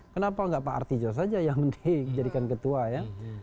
kenapa enggak pak artijos saja yang mending jadikan ketua ya